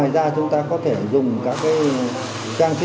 để chúng ta có thể tiến hành